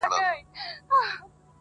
د مینانو د لښکرو قدر څه پیژني٫